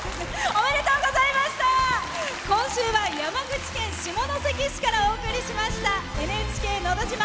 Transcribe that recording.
今週は山口県下関市からお送りしました「ＮＨＫのど自慢」。